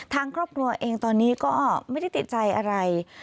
ทางครอบครัวเองตอนนี้ก็ไม่ได้ติดใจอะไร